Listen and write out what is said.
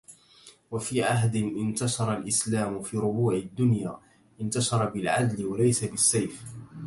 و في عهده انتشر الإسلام في ربوع الدنيا، انتشر بالعدل و ليس بالسيف.